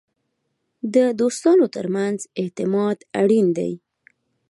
د دوستانو ترمنځ اعتماد اړین دی.